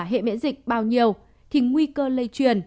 hệ miễn dịch bao nhiêu thì nguy cơ lây truyền